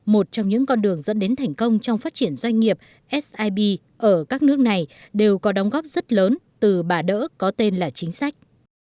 một trong những con đường dẫn đến thành công trong phát triển doanh nghiệp sib ở các nước này đều có đóng góp rất lớn từ bà đỡ có tên là chính sách